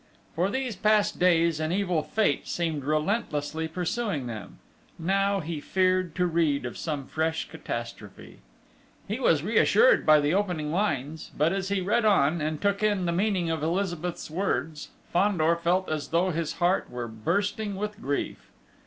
For these past days, an evil Fate seemed relentlessly pursuing them. Now he feared to read of some fresh catastrophe. He was reassured by the opening lines; but as he read on, and took in the meaning of Elizabeth's words, Fandor felt as though his heart were bursting with grief.